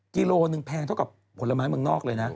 กิโลหนึ่งแพงเท่ากับผลไม้เมืองนอกเลยนะ